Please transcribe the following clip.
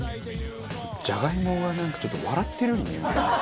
じゃがいもがなんかちょっと笑ってるように見えません？